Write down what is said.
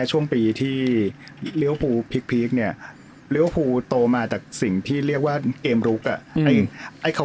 คนที่มาเป็นหน้าเป้า